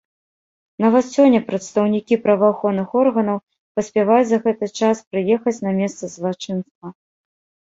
Нават сёння прадстаўнікі праваахоўных органаў паспяваюць за гэты час прыехаць на месца злачынства.